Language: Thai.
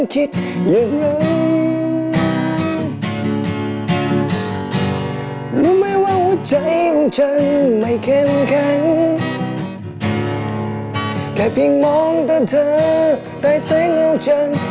แค่เพียงมองแต่เธอใกล้ใส่เหงาจัน